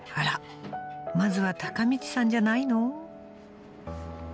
まずは孝道さんじゃないの？］